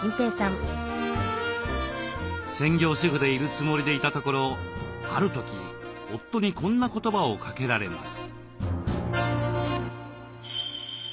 専業主婦でいるつもりでいたところある時夫にこんな言葉をかけられます。